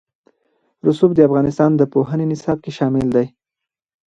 رسوب د افغانستان د پوهنې نصاب کې شامل دي.